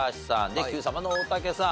でＱさま！！の大竹さん。